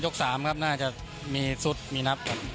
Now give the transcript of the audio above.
๓ครับน่าจะมีสุดมีนับครับ